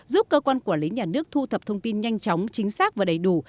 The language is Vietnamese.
giúp cơ quan quản lý nhà nước thu thập thông tin nhanh chóng chính xác và đầy đủ